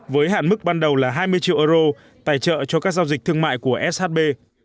với hạn mức ban đầu là hai mươi triệu euro tài trợ cho các giao dịch thương mại của shb